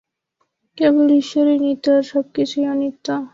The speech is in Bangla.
কেবল ঈশ্বরই নিত্য, আর সবকিছুই অনিত্য।